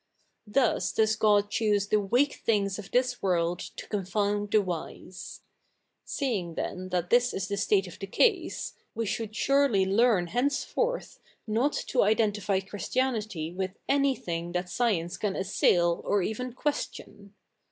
Thus does God choose the " weak things of this world to co7ifou7id the wise.^^ Seeing, then, that this is the state of the case, we should surely learn he?iceforth not to identify Christianity with anythi?ig that science can assail or even question.